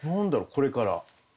これから。